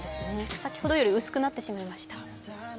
先ほどより薄くなってしまいました。